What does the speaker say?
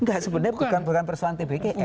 tidak sebenarnya bukan persoalan tgpf